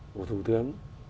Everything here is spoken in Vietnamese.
của thủ tướng